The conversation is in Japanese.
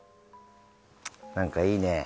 何かいいね。